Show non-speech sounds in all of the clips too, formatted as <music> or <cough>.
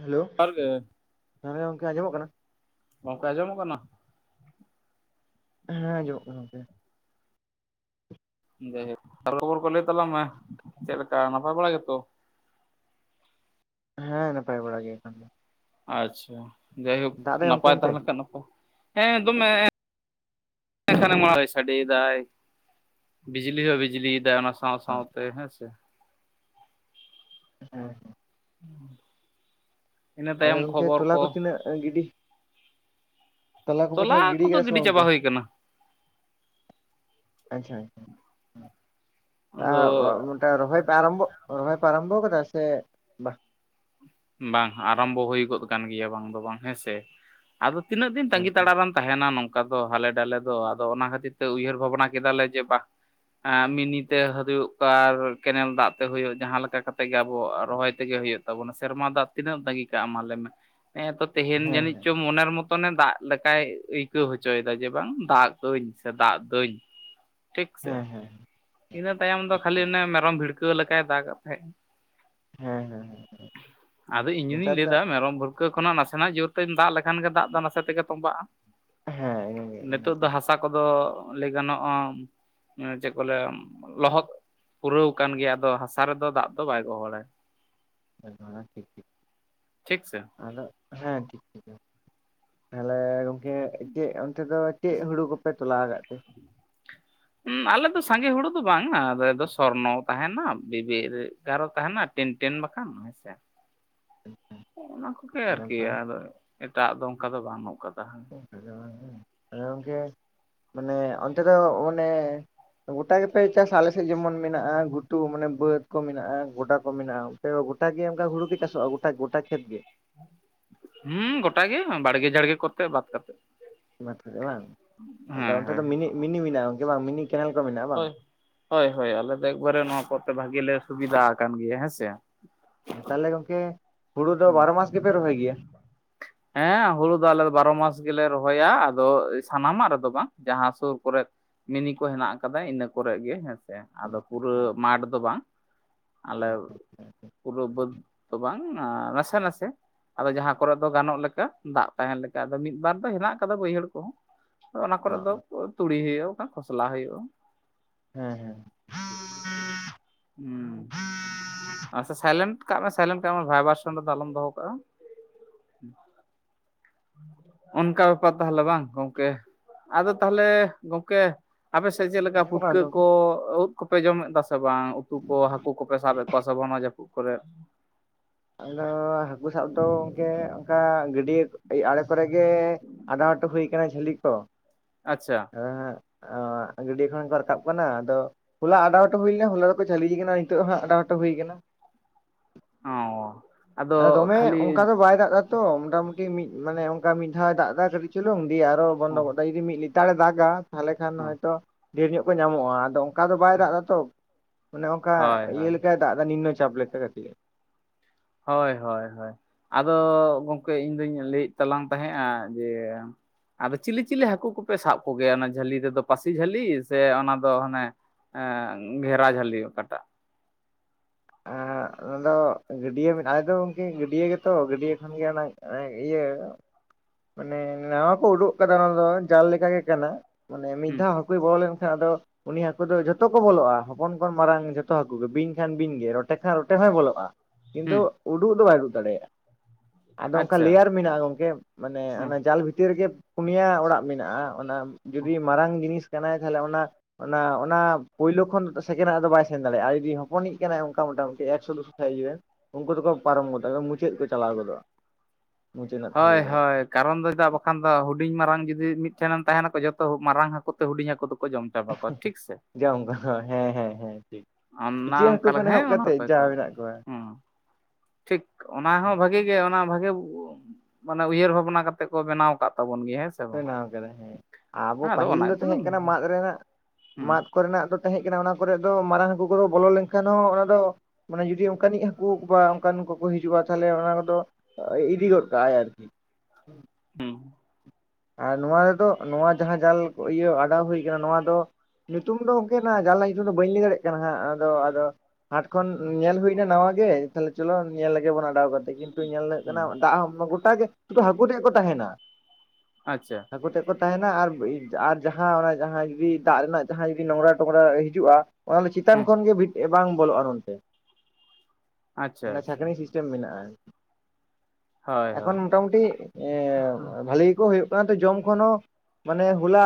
Hello ᱡᱚᱦᱟᱨ ᱜᱮ ᱦᱮᱸ ᱜᱚᱢᱠᱮ ᱟᱸᱡᱚᱢᱚᱜ ᱠᱟᱱᱟ? ᱜᱚᱢᱠᱮ ᱟᱸᱡᱚᱢᱚᱜ ᱠᱟᱱᱟ? ᱦᱮᱸ ᱟᱸᱡᱚᱢᱚᱜ ᱠᱟᱱᱟ ᱜᱝᱠᱮ᱾ ᱡᱟᱭᱦᱳᱠ, ᱠᱷᱚᱵᱚᱨ ᱠᱚ ᱞᱟᱹᱭ ᱛᱟᱞᱟᱝ ᱢᱮ, ᱪᱮᱫᱽ ᱞᱮᱠᱟ ᱱᱟᱯᱟᱭ ᱵᱟᱲᱟ ᱜᱮᱛᱚ? ᱦᱮᱸ ᱱᱟᱯᱟᱭ ᱵᱟᱲᱟ ᱜᱮ ᱮᱠᱷᱚᱱ ᱫᱚ᱾ ᱟᱪᱪᱷᱟ ᱡᱟᱭᱦᱳᱠ ᱫᱟᱜ ᱫᱟᱭ ᱜᱚᱝᱠᱮ ᱱᱟᱯᱟᱭ ᱚᱱᱛᱮ ᱛᱟᱦᱮᱸ ᱞᱮᱱᱠᱷᱟᱱ ᱱᱟᱯᱟᱭ᱾ ᱦᱮᱸ ᱫᱚᱢᱮ ᱥᱮᱨᱢᱟ ᱦᱚᱸ ᱥᱟᱰᱮᱫᱟᱭ ᱵᱤᱡᱽᱞᱤ ᱦᱚᱸ ᱵᱤᱡᱽᱞᱤᱭᱫᱟ ᱚᱱᱟ ᱥᱟᱶ ᱥᱟᱶᱛᱮ ᱦᱮᱸᱥᱮ᱾ ᱦᱮᱸ᱾ ᱤᱱᱟᱹ ᱟᱫᱚ ᱛᱟᱭᱚᱢ ᱜᱚᱝᱠᱮ ᱠᱷᱚᱵᱚᱨ ᱠᱚ? <unintelligible> ᱜᱤᱰᱤ ᱠᱚᱯᱮ ᱛᱚᱞᱟ ᱛᱟᱦᱚᱞᱮ ᱠᱚᱫᱚ ᱠᱟᱫᱟ ᱥᱮ ᱜᱤᱰᱤ ᱵᱟᱝ ᱜᱚᱝᱠᱮ ᱪᱟᱵᱟ ᱦᱩᱭ ᱠᱟᱱᱟ᱾ ᱟᱪᱪᱷᱟ ᱟᱪᱪᱷᱟ᱾ ᱟᱫᱚ <unintelligible> ᱨᱚᱦᱚᱭ ᱯᱮ ᱟᱨᱟᱢᱵᱚ, ᱨᱚᱦᱚᱭ ᱯᱮ ᱟᱨᱢᱵᱚ ᱠᱟᱫᱟ ᱥᱮ? ᱵᱟᱝ ᱵᱟᱝ ᱟᱨᱟᱢᱵᱚ ᱦᱩᱭ ᱜᱚᱫ ᱠᱟᱱ ᱜᱮᱭᱟ, ᱵᱟᱝ ᱫᱚ ᱵᱟᱝ ᱦᱮᱸᱥᱮ᱾ ᱟᱫᱚ ᱛᱤᱱᱟᱹᱜ ᱫᱤᱱ, ᱦᱮᱸ ᱛᱟᱺᱜᱤ ᱛᱟᱲᱟᱨᱮᱢ ᱛᱟᱦᱮᱱᱟ ᱱᱚᱝᱠᱟ᱾ ᱚᱱᱠᱟ ᱫᱚ ᱦᱟᱞᱮ ᱰᱟᱞᱮ ᱫᱚ, ᱟᱫᱚ ᱚᱱᱟ ᱠᱷᱟᱹᱛᱤᱨ ᱛᱮ ᱩᱭᱦᱟᱹᱨ ᱵᱷᱟᱵᱽᱱᱟ ᱠᱮᱫᱟᱞᱮ ᱡᱮ ᱵᱟ ᱟᱸ ᱢᱤᱱᱤᱛᱮ ᱦᱳᱭᱳᱜ ᱟᱨ ᱠᱮᱱᱮᱞ ᱫᱟᱜ ᱛᱮ ᱦᱳᱭᱳᱜ, ᱡᱟᱦᱟᱸ ᱞᱮᱠᱟ ᱠᱟᱛᱮ ᱜᱮ ᱟᱵᱚ ᱨᱚᱦᱚᱭ ᱛᱮᱜᱮ ᱦᱩᱭᱩᱜ ᱛᱟᱵᱚᱱᱟ᱾ ᱥᱮᱨᱢᱟ ᱫᱟᱜ ᱛᱤᱱᱟᱹᱢ ᱛᱟᱹᱜᱤ ᱠᱟᱜᱼᱟ, ᱢᱟ ᱞᱟᱹᱭ ᱢᱮ᱾ ᱦᱮᱸᱛᱚ ᱛᱮᱦᱮᱧ ᱦᱮᱸ ᱡᱟᱹᱱᱤᱡᱽ ᱪᱚ ᱢᱚᱱᱮᱨ ᱢᱚᱛᱚ ᱡᱚᱛᱚᱱᱮ ᱫᱟᱜ ᱞᱮᱠᱟᱭ ᱟᱹᱭᱠᱟᱹᱣ ᱦᱚᱪᱚᱭᱫᱟ ᱡᱮ ᱵᱟᱝ ᱫᱟᱜ ᱟᱹᱧ ᱥᱮ ᱫᱟᱜ ᱫᱟᱹᱧ᱾ ᱴᱷᱤᱠᱥᱮ, ᱦᱮᱸ ᱦᱮᱸ ᱤᱱᱟᱹ ᱛᱟᱭᱚᱢ ᱫᱚ ᱠᱷᱟᱞᱤ ᱚᱱᱮ ᱢᱮᱨᱚᱢ ᱵᱷᱤᱲᱠᱟᱹᱣ ᱞᱮᱠᱟᱭ ᱫᱟᱜ ᱮᱜ ᱛᱟᱦᱮᱸᱫ᱾ ᱦᱮᱸ ᱦᱮᱸ ᱟᱫᱚ ᱤᱧ ᱱᱮᱛᱟᱨ ᱡᱩᱫᱤᱧ ᱫᱚ ᱞᱟᱹᱭᱫᱟ ᱢᱮᱨᱚᱢ ᱵᱷᱤᱲᱠᱟᱹᱣ ᱴᱟᱹᱣᱠᱟᱹ ᱠᱷᱚᱱᱟᱜ ᱱᱟᱥᱮᱱᱟᱜ ᱡᱳᱨᱛᱮᱢ ᱫᱟᱜ ᱞᱮᱠᱷᱟᱱ ᱜᱮ, ᱫᱟᱜ ᱫᱚ ᱱᱟᱥᱮ ᱛᱮᱜᱮ ᱛᱚᱸᱵᱟᱜᱼᱟ᱾ ᱦᱮᱸ ᱤᱱᱟᱹᱜᱮ ᱱᱤᱛᱚᱜ ᱫᱚ ᱦᱟᱥᱟ ᱠᱟᱛᱷᱟ ᱠᱚᱫᱚ ᱞᱟᱹᱭ ᱜᱟᱱᱚᱜᱼᱟ ᱾ ᱪᱮᱫᱠᱟ ᱵᱚᱞᱮ ᱞᱚᱦᱚᱫ ᱯᱩᱨᱟᱹᱣ ᱠᱟᱱ ᱜᱮᱭᱟ᱾ ᱟᱫᱚ ᱦᱟᱥᱟ ᱨᱮᱫᱚ ᱫᱟᱜ ᱫᱚ ᱵᱟᱭ ᱜᱚᱦᱚᱲᱟᱭ᱾ ᱴᱷᱤᱠ-ᱴᱷᱤᱠ᱾ ᱴᱷᱤᱠ ᱥᱮ ᱟᱫᱚ ᱦᱮᱸ ᱴᱷᱤᱠ-ᱴᱷᱤᱠ ᱜᱮᱭᱟ᱾ ᱛᱟᱦᱚᱞᱮ ᱜᱚᱝᱠᱮ ᱪᱮᱫ ᱚᱱᱛᱮ ᱫᱚ, ᱪᱮᱫ ᱦᱩᱲᱩ ᱠᱚᱯᱮ ᱛᱚᱞᱟ ᱠᱟᱜ ᱛᱮ? <inaudible> ᱦᱚᱸ ᱟᱞᱮ ᱫᱚ ᱥᱟᱸᱜᱮ ᱦᱩᱲᱩ ᱫᱚ ᱵᱟᱝᱼᱟ᱾ ᱟᱞᱮ ᱫᱚ ᱥᱚᱨᱱᱚ ᱛᱟᱦᱮᱱᱟ ᱵᱤᱵᱤ ᱮᱜᱟᱨᱚ ᱛᱟᱦᱮᱸᱱᱟ᱾ ᱴᱮᱱ ᱴᱮᱱ ᱵᱟᱠᱷᱱ ᱦᱳᱭ ᱥᱮ ᱾ ᱚᱱᱟ ᱠᱚᱜᱮ ᱟᱹᱰᱤ ᱟᱨᱠᱤ ᱱᱟᱯᱟᱭ ᱟᱫᱚ ᱮᱴᱟᱜ ᱫᱚ, ᱚᱱᱠᱟ ᱫᱚ ᱵᱟᱹᱱᱩᱜ ᱠᱟᱫᱟ᱾ ᱦᱮᱸ ᱜᱚᱝᱠᱮ᱾ ᱢᱟᱱᱮ ᱚᱱᱛᱮ ᱫᱚ ᱢᱟᱱᱮ ᱜᱚᱴᱟᱜ ᱜᱮᱯᱮ ᱪᱟᱥᱟ? ᱟᱞᱮᱥᱮᱫ ᱡᱮᱢᱚᱱ ᱢᱮᱱᱟᱜᱼᱟ᱾ ᱜᱷᱩᱴᱩ ᱢᱟᱱᱮ ᱵᱟᱹᱫᱽ ᱠᱚ ᱢᱮᱱᱟᱜᱼᱟ ᱜᱚᱰᱟ ᱠᱚ ᱢᱮᱱᱟᱜᱼᱟ ᱾ ᱛᱚ ᱜᱚᱴᱟ ᱜᱮ ᱚᱱᱠᱟ ᱦᱩᱲᱩ ᱜᱮ ᱪᱟᱥᱼᱟ, ᱜᱚᱴᱟ-ᱜᱚᱴᱟ ᱠᱷᱮᱛ ᱜᱮ? ᱦᱮᱸ ᱜᱚᱴᱟᱜᱮ ᱵᱟᱲᱜᱮ ᱡᱷᱟᱲᱜᱮ ᱠᱚᱛᱮ ᱵᱟᱫ ᱠᱟᱛᱮ᱾ ᱢᱟ <inaudible> ᱵᱟᱝ ᱟᱫᱚ, ᱚᱱᱛᱮ ᱦᱳᱭ ᱫᱚ ᱢᱤᱱᱤ ᱢᱤᱱᱤ ᱢᱮᱱᱟᱜᱼᱟ ᱜᱚᱝᱠᱮ ᱵᱟᱝ ᱢᱤᱱᱤ ᱠᱮᱱᱮᱞ ᱠᱚ ᱢᱮᱱᱟᱜᱼᱟ। ᱵᱟᱝ ᱦᱳᱭ-ᱦᱳᱭ ᱦᱳᱭ ᱟᱞᱮ ᱫᱚ ᱮᱠᱵᱟᱨᱮ ᱱᱚᱣᱟ ᱠᱚᱛᱮ ᱵᱷᱟᱜᱮ ᱞᱮ ᱥᱩᱵᱤᱫᱷᱟ ᱠᱟᱱ ᱜᱮᱭᱟ ᱦᱮᱸ ᱥᱮ᱾ ᱛᱟᱦᱚᱞᱮ ᱜᱚᱝᱠᱮ ᱦᱩᱲᱩ ᱫᱚ, ᱵᱟᱨᱚ ᱢᱟᱥ ᱜᱮᱯᱮ ᱨᱚᱦᱚᱭ ᱜᱮᱭᱟ? ᱦᱮᱸ ᱦᱩᱲᱩ ᱫᱚ ᱟᱞᱮ ᱫᱚ ᱵᱟᱨᱚ ᱢᱟᱥ ᱜᱮᱞᱮ ᱨᱚᱦᱚᱭᱟ ᱾ ᱟᱫᱚ ᱥᱟᱱᱟᱢᱟᱜ ᱨᱮᱫᱚ ᱵᱟᱝ ᱡᱟᱸᱦᱟᱸ ᱥᱩᱨ ᱠᱚᱨᱮ ᱼᱼ ᱢᱤᱱᱤ ᱠᱚ ᱦᱮᱱᱟᱜ ᱠᱟᱫᱟ ᱤᱱᱟᱹ ᱠᱚᱨᱮ ᱜᱮ, ᱦᱮᱸᱥᱮ ᱟᱫᱚ ᱯᱩᱨᱟᱹ ᱢᱟᱴᱷ ᱫᱚ ᱵᱟᱝ। ᱟᱞᱮ ᱯᱩᱨᱟᱹ ᱵᱟᱹᱫᱽ ᱫᱚ ᱵᱟᱝ ᱱᱟᱥᱮ- ᱱᱟᱥᱮ ᱼᱼ ᱟᱫᱚ ᱡᱟᱸᱦᱟ ᱠᱚᱨᱮᱜ ᱫᱚ ᱜᱟᱱᱚᱜ ᱞᱮᱠᱟ, ᱫᱟᱜ ᱛᱟᱦᱮᱱ ᱞᱮᱠᱟ ᱟᱫᱚ ᱢᱤᱫᱵᱟᱨ ᱫᱚ ᱦᱮᱱᱟᱜ ᱠᱟᱫᱟ ᱵᱟᱹᱭᱦᱟᱹᱲ ᱠᱚᱦᱚ᱾ ᱚᱱᱟ ᱚ ᱠᱚᱨᱮᱜ ᱫᱚ ᱛᱩᱲᱤ ᱦᱩᱭᱩᱜᱼᱟ ᱵᱟᱠᱷᱟᱱ ᱠᱷᱚᱥᱞᱟ ᱦᱩᱭᱩᱜᱼᱟ। ᱦᱮᱸ ᱦᱮᱸ ᱦᱩᱸ ᱥᱟᱭᱞᱮᱱᱴ ᱠᱟᱜ ᱢᱮ ᱥᱟᱭᱞᱮᱱᱴ ᱠᱟᱜ ᱢᱮ ᱵᱷᱟᱭᱵᱟᱨᱥᱚᱱ ᱨᱮᱫᱚ ᱟᱞᱚᱢ ᱫᱚᱦᱚ ᱠᱟᱜᱼᱟ। <inaudible> ᱚᱱᱠᱟ ᱵᱮᱯᱟᱨ ᱛᱟᱦᱚᱞᱮ ᱵᱟᱝ ᱜᱚᱢᱠᱮ ᱟᱫᱚ ᱛᱟᱦᱚᱞᱮ ᱜᱚᱢᱠᱮ ᱼᱼ ᱟᱯᱮ ᱥᱮᱜ ᱪᱮᱫ ᱞᱮᱠᱟ ᱟᱸᱡᱚᱢᱚᱜ ᱠᱟᱱᱟ ᱯᱩᱴᱠᱟᱹ ᱛᱚ ᱠᱚ, ᱜᱚᱝᱠᱮ ᱩᱫ ᱠᱚᱯᱮ ᱡᱚᱢᱮᱫ ᱫᱟ ᱥᱮ ᱵᱟᱝ? ᱩᱛᱩ ᱠᱚ ᱦᱟᱹᱠᱩ ᱠᱚᱯᱮ ᱥᱟᱵᱮᱜ ᱼᱼ ᱦᱚᱸᱜ ᱱᱚᱣᱟ ᱡᱟᱹᱯᱩᱫ ᱠᱚᱨᱮ। ᱟᱫᱚ ᱦᱟᱹᱠᱩ ᱥᱟᱵ ᱫᱚ ᱜᱚᱝᱠᱮ ᱚᱱᱠᱟ ᱜᱟᱹᱰᱭᱟᱹ ᱟᱲᱮ ᱠᱚᱨᱮ ᱜᱮ। ᱟᱰᱟᱣ ᱦᱚᱴᱚ ᱦᱩᱭ ᱠᱟᱱᱟ ᱡᱷᱟᱹᱞᱤ ᱠᱚ᱾ ᱟᱪᱪᱷᱟ ᱦᱮᱸ ᱦᱮᱸ ᱜᱟᱹᱰᱭᱟᱹ ᱠᱷᱚᱱ ᱠᱚ ᱨᱟᱠᱟᱵ ᱠᱟᱱᱟ ᱟᱫᱚ ᱼᱼ ᱦᱚᱞᱟ ᱟᱰᱟᱣ ᱦᱚᱴᱚ ᱦᱩᱭ ᱞᱮᱱᱟ, ᱦᱚᱞᱟ ᱫᱚᱠᱚ ᱡᱷᱟᱞᱤ ᱠᱟᱱᱟ, ᱱᱤᱛᱚᱜ ᱦᱟᱸᱜ ᱟᱰᱟᱣ ᱦᱚᱴᱚ ᱦᱩᱭ ᱠᱟᱱᱟ। ᱚᱸ ᱟᱨ ᱫᱚᱢᱮ ᱚᱱᱠᱟ ᱫᱚ ᱵᱟᱭ ᱫᱟᱜ ᱫᱟ᱾ ᱛᱚ ᱢᱚᱴᱟᱢᱩᱴᱤ ᱢᱤᱫ ᱢᱟᱱᱮ ᱚᱱᱠᱟ ᱢᱤᱫ ᱫᱷᱟᱣ ᱮ ᱫᱟᱜ ᱫᱟ ᱾ᱠᱟᱹᱴᱤᱡ ᱪᱩᱞᱩᱝ ᱫᱤᱭᱮ ᱟᱨᱚ ᱵᱚᱱᱫᱚ ᱦᱚᱸ ᱜᱚᱫ ᱫᱟᱭ। ᱡᱩᱫᱤ ᱢᱤᱫ ᱞᱮᱛᱟᱲᱮ ᱫᱟᱜᱟ, ᱛᱟᱦᱚᱞᱮ ᱠᱷᱟᱱ ᱦᱚᱸ ᱦᱚᱭᱛᱚ ᱰᱷᱮᱨ ᱧᱚᱜ ᱠᱚ ᱧᱟᱢᱚᱜᱼᱟ ᱾ ᱟᱫᱚ ᱚᱱᱠᱟ ᱫᱚ ᱵᱟᱭ ᱫᱟᱜ ᱫᱟᱛᱚ। ᱚᱱᱮ ᱚᱱᱠᱟ ᱦᱳᱭ ᱦᱳᱭ ᱤᱭᱟᱹ ᱞᱮᱠᱟᱭ ᱫᱟᱜᱫᱟ ᱱᱤᱢᱱᱚ ᱪᱟᱯ ᱞᱮᱠᱟ ᱠᱟᱴᱤᱡ। ᱦᱳᱭ ᱻᱦᱳᱭᱻ ᱦᱳᱭ ᱟᱫᱚ ᱜᱚᱢᱠᱮ ᱤᱧᱫᱩᱧ ᱞᱟᱹᱭᱮᱫ ᱛᱟᱞᱟᱝ ᱛᱟᱦᱮᱸᱜᱼᱟ ᱡᱮ ᱼᱼ ᱟᱫᱚ ᱪᱤᱞᱤ ᱪᱤᱞᱤ ᱦᱟᱹᱠᱩ ᱠᱚᱯᱮ ᱥᱟᱵ ᱠᱚᱜᱮᱭᱟ ᱾ ᱚᱱᱟ ᱡᱷᱟᱹᱞᱤ ᱨᱮᱫᱚ ᱯᱟᱹᱥᱤ ᱡᱷᱟᱹᱞᱤ ᱥᱮ ᱚᱱᱟ ᱫᱚ ᱦᱟᱱᱮ ᱼᱼ ᱮᱸᱻ ᱜᱷᱮᱨᱟ ᱡᱷᱟᱹᱞᱤ ᱚᱠᱟᱴᱟᱜ᱾ ᱟᱨ <unintelligible> ᱟᱫᱚ ᱜᱟᱹᱰᱭᱟᱹ ᱢᱮᱱᱟᱜᱼᱟ, ᱟᱫᱚ ᱜᱚᱢᱠᱮ ᱜᱟᱹᱰᱭᱟᱹ ᱜᱮᱛᱚ ᱜᱟᱹᱰᱭᱟᱹ ᱠᱷᱚᱱᱜᱮ ᱚᱱᱟ ᱤᱭᱟᱹ ᱼᱼ ᱢᱟᱱᱮ ᱱᱟᱣᱟ ᱠᱚ ᱳᱰᱳᱜ ᱠᱟᱫᱟ ᱚᱱᱟ ᱫᱚ, ᱡᱟᱞ ᱞᱮᱠᱟᱜᱮ ᱠᱟᱱᱟ ᱢᱟᱱᱮ ᱢᱤᱫ ᱦᱩᱸ ᱫᱷᱟᱣ ᱼᱼ ᱦᱟᱠᱩᱭ ᱵᱚᱞᱚ ᱞᱮᱱᱠᱷᱟᱱ ᱟᱫᱚ ᱩᱱᱤ ᱦᱟᱹᱠᱩ ᱫᱚ ᱡᱚᱛᱚ ᱠᱚ ᱵᱚᱞᱚᱜᱼᱟ ᱾ ᱦᱚᱯᱚᱱ ᱠᱷᱚᱱ ᱢᱟᱨᱟᱝ ᱡᱷᱚᱛᱚ ᱦᱟᱹᱠᱩ ᱜᱮ ᱵᱤᱧ ᱠᱷᱟᱱ ᱼᱼ ᱵᱤᱧ ᱜᱮ ᱨᱚᱴᱮ ᱠᱷᱟᱱ ᱨᱚᱴᱮ ᱦᱚᱸᱭ ᱵᱚᱞᱚᱜᱼᱟ, ᱦᱩᱸ ᱠᱤᱱᱛᱩ ᱩᱰᱩᱜ ᱫᱚ ᱵᱟᱭ ᱩᱰᱩᱜ ᱫᱟᱲᱮᱭᱟᱜᱼᱟ। ᱟᱫᱚ ᱚᱱᱠᱟ ᱟᱪᱪᱷᱟ ᱞᱮᱭᱟᱨ ᱢᱮᱱᱟᱜᱼᱟ ᱜᱚᱢᱠᱮ ᱾ ᱢᱟᱱᱮ ᱦᱩᱸ ᱚᱱᱟ ᱡᱟᱞ ᱵᱷᱤᱛᱤᱨ ᱨᱮᱜᱮ ᱯᱩᱱᱭᱟ ᱚᱲᱟᱜ ᱢᱮᱱᱟᱜᱼᱟ ᱾ ᱚᱱᱟ ᱡᱩᱫᱤ ᱢᱟᱨᱟᱝ ᱡᱤᱱᱤᱥ ᱼᱼ ᱠᱟᱱᱟᱭ ᱛᱟᱦᱚᱞᱮ ᱚᱱᱟ ᱚᱱᱟ ᱚᱱᱟ ᱯᱳᱭᱞᱳ ᱠᱷᱚᱱ ᱥᱮᱠᱮᱱ ᱱᱟᱜ ᱨᱮᱫᱚ ᱵᱟᱭ ᱥᱮᱱ ᱫᱟᱲᱮᱭᱟᱜᱼᱟ ᱾ ᱟᱨ ᱡᱩᱫᱤ ᱦᱚᱯᱚᱱᱤᱡ ᱼᱼ ᱠᱟᱱᱟᱭ ᱚᱱᱠᱟ ᱢᱚᱴᱟᱢᱩᱴᱤ ᱮᱠᱥᱚ ᱫᱩᱥᱚ ᱠᱷᱚᱡ ᱤᱭᱟᱹ ᱩᱱᱠᱩ ᱫᱚᱠᱚ ᱯᱟᱨᱚᱢ ᱜᱚᱫᱚᱜᱼᱟ, ᱮᱠᱫᱚᱢ ᱢᱩᱪᱟᱹᱫ ᱠᱚ ᱪᱟᱞᱟᱣ ᱜᱚᱫᱚᱜᱼᱟ। ᱢᱩᱪᱟᱹᱫ ᱨᱮᱱᱟᱜ ᱛᱷᱟᱹᱞᱤ ᱦᱳᱭ- ᱨᱮ ᱦᱳᱭ ᱠᱟᱨᱚᱱ ᱫᱚ ᱪᱮᱫᱟᱜ ᱵᱟᱠᱷᱟᱱ ᱫᱚ ᱦᱩᱰᱤᱧ ᱢᱟᱨᱟᱝ ᱡᱩᱫᱤ ᱢᱤᱫᱴᱷᱮᱱᱮᱢ ᱛᱟᱦᱮᱱᱟᱠᱚ ᱡᱚᱛᱚ ᱢᱟᱨᱟᱝ ᱦᱟᱹᱠᱩ ᱛᱮ ᱦᱩᱰᱤᱧ ᱦᱟᱹᱠᱩ ᱫᱚᱠᱚ ᱼᱼ ᱡᱚᱝ <inaudible> ᱠᱟᱱᱟ <unintelligible> ᱦᱮᱸᱻ ᱦᱮᱸ ᱻᱦᱮᱸ ᱴᱷᱤᱠ᱾ ᱚᱱᱟ ᱤᱪᱟᱹᱜ ᱦᱟᱹᱠᱩ ᱚᱱᱠᱟ ᱞᱮᱠᱟ ᱠᱷᱚᱱ ᱦᱮᱸ ᱮᱦᱚᱵ ᱚᱱᱟ ᱫᱚ ᱠᱟᱛᱮᱫ ᱡᱟ ᱢᱮᱱᱟᱜ ᱠᱚᱣᱟ। ᱦᱮᱸ ᱴᱷᱤᱠ ᱚᱱᱟ ᱦᱚᱸ ᱵᱷᱟᱜᱤ ᱜᱮ ᱚᱱᱟ ᱵᱷᱟᱜᱤ ᱼᱼ ᱢᱟᱱᱮ ᱩᱭᱦᱟᱹᱨ ᱵᱷᱟᱵᱱᱟ ᱠᱟᱛᱮᱜ ᱠᱚ ᱵᱮᱱᱟᱣ ᱟᱠᱟᱫ ᱛᱟᱵᱚᱱ ᱜᱮᱭᱟ ᱦᱮᱸ ᱥᱮ ᱵᱟᱝ ᱵᱮᱱᱟᱣ ᱠᱟᱫᱟ ᱦᱮᱸ, ᱟᱵᱚ ᱟᱫᱚ ᱯᱟᱹᱦᱤᱞ ᱚᱱᱟ ᱫᱚ ᱛᱮᱫᱚ ᱛᱮᱦᱮᱸᱜ ᱠᱟᱱᱟ ᱢᱟᱫ ᱨᱮᱱᱟᱜ, ᱦᱩᱸ ᱢᱟᱫ ᱠᱚᱨᱮᱱᱟᱜ ᱫᱚ ᱼᱼ ᱛᱟᱦᱮᱸᱜ ᱠᱟᱱᱟ ᱚᱱᱟ ᱠᱚᱨᱮᱜ ᱫᱚ, ᱢᱟᱨᱟᱝ ᱦᱟᱹᱠᱩ ᱠᱚᱫᱚ ᱵᱚᱞᱚ ᱞᱮᱱᱠᱷᱟᱱ ᱦᱚᱸ ᱚᱱᱟ ᱫᱚ ᱼᱼ ᱢᱟᱱᱮ ᱡᱩᱫᱤ ᱚᱱᱠᱟᱱᱤᱡ ᱦᱟᱹᱠᱩ ᱵᱟ, ᱚᱱᱠᱟᱱ ᱠᱚ ᱠᱚ ᱦᱤᱡᱩᱜᱼᱟ, ᱛᱟᱦᱚᱞᱮ ᱚᱱᱟ ᱠᱚᱫᱚ ᱼᱼ ᱤᱫᱤ ᱜᱚᱜ ᱠᱟᱜᱼᱟᱭ ᱟᱨᱠᱤ᱾ ᱦᱮᱸ <unintelligible> ᱟᱨ ᱱᱚᱣᱟ ᱨᱮᱫᱚ, ᱱᱚᱣᱟ ᱡᱟᱸᱦᱟᱸ ᱡᱟᱞ ᱠᱚ ᱤᱭᱟᱹ ᱟᱰᱟᱣ ᱦᱩᱭ ᱠᱟᱱᱟ ᱱᱚᱣᱟ ᱫᱚ ᱼᱼ ᱧᱩᱛᱩᱢ ᱫᱚ ᱜᱚᱝᱠᱮ ᱱᱟᱜ ᱡᱟᱞ ᱨᱮᱱᱟᱜ ᱧᱩᱛᱩᱢ ᱫᱚ ᱵᱟᱹᱧ ᱞᱟᱹᱭ ᱫᱟᱲᱮᱭᱟᱜ ᱠᱟᱱᱟ ᱾ᱦᱟᱸᱜ ᱟᱫᱚ ᱟᱫᱚ ᱼᱼ ᱦᱟᱴ ᱠᱷᱚᱱ ᱧᱮᱞ ᱦᱩᱭ ᱱᱟ ᱱᱟᱣᱟ ᱜᱮ, ᱛᱟᱦᱚᱞᱮ ᱪᱚᱞᱚ ᱧᱮᱞ ᱞᱮᱜᱮ ᱵᱚᱱ ᱟᱰᱟᱣ ᱠᱟᱛᱮ ᱾ ᱠᱤᱱᱛᱩ ᱧᱮᱞ ᱦᱩᱭᱩᱜ ᱠᱟᱱᱟ ᱦᱩᱸ ᱫᱟᱜ ᱦᱚᱸ ᱜᱚᱴᱟ ᱜᱮ ᱥᱩᱫᱩ ᱦᱟᱠᱩ ᱛᱮᱫ ᱠᱚ ᱛᱟᱦᱮᱱᱟ। ᱟᱪᱷᱟ ᱟᱠᱚᱛᱮᱫ ᱠᱚ ᱛᱟᱦᱮᱱᱟ ᱟᱨ ᱟᱨ ᱡᱟᱦᱟᱸ ᱚᱱᱟ ᱡᱟᱦᱟᱸ ᱡᱩᱫᱤ ᱮᱴᱟᱜ ᱨᱮᱱᱟᱜ ᱡᱟᱦᱟᱸ ᱡᱩᱫᱤ ᱱᱚᱝᱨᱟ ᱴᱚᱝᱨᱟ ᱦᱤᱡᱩᱜᱼᱟ ᱼᱼ ᱚᱱᱟ ᱫᱚ ᱪᱮᱛᱟᱱ ᱦᱮᱸ ᱠᱷᱚᱱᱜᱮ ᱵᱷᱤᱛ ᱵᱟᱝ ᱵᱚᱞᱚᱜᱼᱟ ᱱᱚᱱᱛᱮ ᱟᱪᱪᱷᱟ ᱚᱱᱮ ᱟᱪᱪᱷᱟ ᱪᱷᱟᱠᱱᱤ ᱼᱼ ᱥᱤᱥᱴᱮᱢ ᱢᱮᱱᱟᱜᱼᱟ ᱦᱳᱭ ᱮᱠᱷᱚᱱ ᱦᱳᱭ ᱢᱚᱴᱟᱢᱩᱴᱤ ᱮᱸᱻ ᱵᱷᱟᱞᱤ ᱠᱚ ᱦᱩᱭᱩᱜ ᱠᱟᱱ ᱡᱚᱢ ᱠᱷᱚᱱ ᱦᱚᱸ ᱼᱼ ᱢᱟᱱᱮ ᱦᱚᱞᱟ